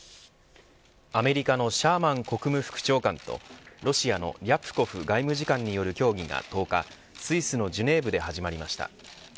アメリカのシャーマン国務副長官とロシアのリャプコフ外務次官による協議が１０日スイスのジュネーブで始まりました。